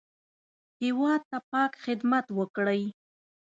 هېواد ته پاک خدمت وکړئ